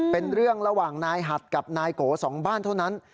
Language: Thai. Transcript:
เป็นเรื่องระหว่างนายหัดกับนายโกสองบ้านเท่านั้น